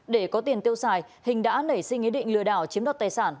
để có tiền tiêu xài hình đã nảy sinh ý định lừa đảo chiếm đoạt tài sản